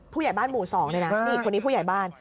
ผู้หญ่บ้านหมู่๒นะนะนี่อีกใครนะรึเปล่า